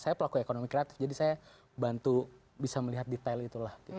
saya pelaku ekonomi kreatif jadi saya bantu bisa melihat detail itulah